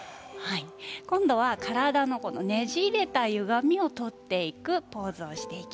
今度は体のねじれたゆがみを取っていくポーズです。